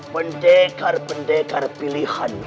pendekar pendekar pilihan uar